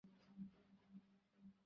আমাদেরই ওকে ঠিক করতে হবে।